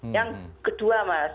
yang kedua mas